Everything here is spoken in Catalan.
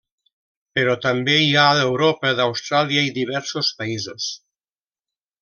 Però també hi ha d'Europa, Austràlia i diversos països.